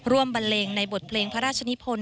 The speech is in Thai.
บันเลงในบทเพลงพระราชนิพล